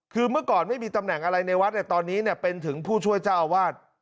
คือเมื่อก่อนไม่มีตำแหน่งอะไรในวัดตอนนี้เป็นถึงผู้ช่วยเจ้าอาวาส